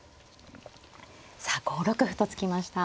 さあ５六歩と突きました。